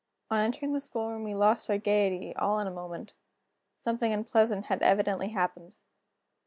On entering the schoolroom we lost our gayety, all in a moment. Something unpleasant had evidently happened.